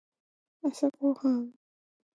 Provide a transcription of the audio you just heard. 朝ごはん